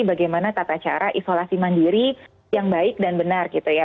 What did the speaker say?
bagaimana tata cara isolasi mandiri yang baik dan benar gitu ya